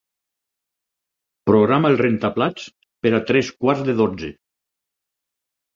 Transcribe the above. Programa el rentaplats per a tres quarts de dotze.